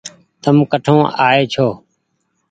تم ڪٺون آئي ڇوٚنٚ